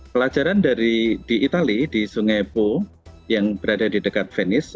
pelajaran dari di itali di sungai po yang berada di dekat venice